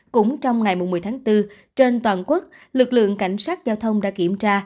cũng trong ngày một mươi tháng bốn trên toàn quốc lực lượng cảnh sát giao thông đã kiểm tra